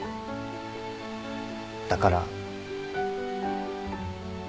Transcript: だから。